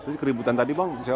itu keributan tadi bang